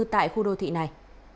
tại khu đô thị này